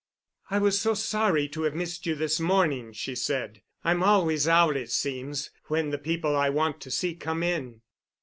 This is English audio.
"I was so sorry to have missed you this morning," she said. "I'm always out, it seems, when the people I want to see come in."